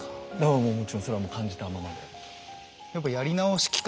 ああもうもちろんそれは感じたままで。